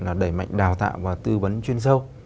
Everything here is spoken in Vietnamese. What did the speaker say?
là đẩy mạnh đào tạo và tư vấn chuyên sâu